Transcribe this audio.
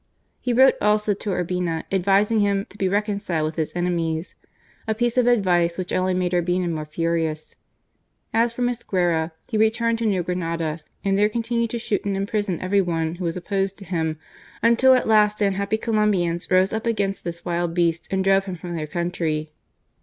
He wrote also to Urbina, advising him to be reconciled with his enemies," a piece of advice which only made Urbina more furious. As for Mosquera, he returned to New Granada and there continued to shoot and imprison every one who was opposed to him, until at last the unhappy Colombians rose up against this wild beast and drove him from their country.